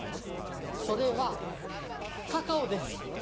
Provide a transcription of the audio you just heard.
それはカカオです。